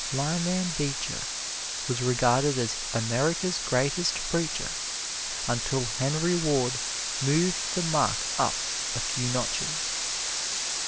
Lyman Beecher was regarded as America's greatest preacher until Henry Ward moved the mark up a few notches.